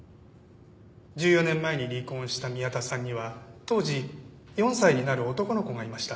１４年前に離婚した宮田さんには当時４歳になる男の子がいました。